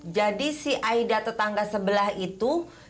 jadi si aida tetangga sebelah itu